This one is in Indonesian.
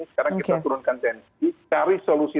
sekarang kita turunkan tensi cari solusi